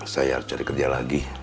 saya cari kerja lagi